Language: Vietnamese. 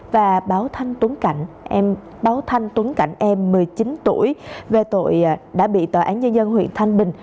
và báo thanh tuấn cảnh một mươi chín tuổi về tội đã bị tòa án nhân dân huyện thanh bình